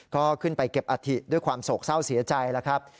ก็ขึ้นไปเก็บอัฐิด้วยความโศกเศร้าเสียใจแล้วครับ